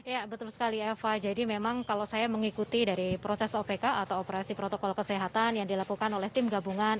ya betul sekali eva jadi memang kalau saya mengikuti dari proses opk atau operasi protokol kesehatan yang dilakukan oleh tim gabungan